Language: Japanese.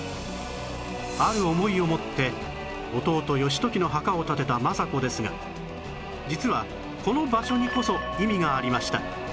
ある思いを持って弟義時の墓を建てた政子ですが実はこの場所にこそ意味がありました